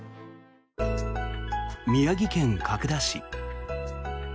宮城県角田市。